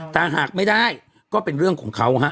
แต่หากไม่ได้ก็เป็นเรื่องของเขาฮะ